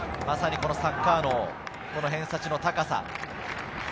まさにサッカー脳、偏差値の高さ。